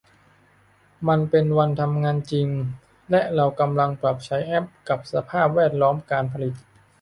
มันเป็นวันทำงานจริงและเรากำลังปรับใช้แอพกับสภาพแวดล้อมการผลิต